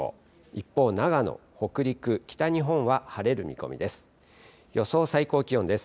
一方、長野、北陸、北日本は晴れる見込みです。